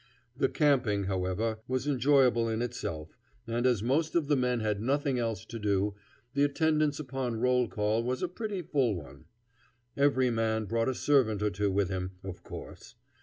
The camping, however, was enjoyable in itself, and as most of the men had nothing else to do, the attendance upon roll call was a pretty full one. Every man brought a servant or two with him, of course.